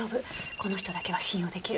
この人だけは信用できる。